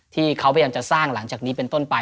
ที่เขาพยายามจะสร้างหลังจากนี้เป็นต้นไป